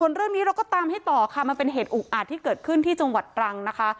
ส่วนเรื่องนี้เราก็ตามให้ต่อค่ะมันเป็นเหตุอุกอาจที่เกิดขึ้นที่จังหวัดตรังนะคะ